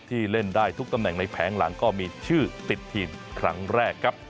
เล่นได้ทุกตำแหน่งในแผงหลังก็มีชื่อติดทีมครั้งแรกครับ